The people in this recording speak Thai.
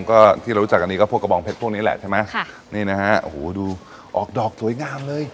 ก็ที่เรารู้จักอันนี้ก็พวกกระบองเพชรพวกนี้แหละใช่ไหมค่ะนี่นะฮะโอ้โหดูออกดอกสวยงามเลย